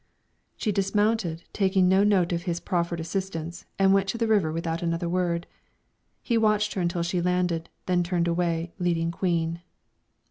She dismounted, taking no note of his proffered assistance, and went to the river without another word. He watched her until she landed, then turned away, leading Queen.